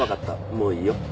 もういいよ。